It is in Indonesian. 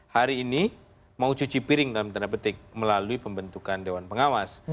hari ini mau cuci piring dalam tanda petik melalui pembentukan dewan pengawas